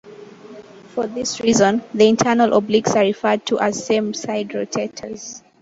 For this reason, the internal obliques are referred to as same side rotators.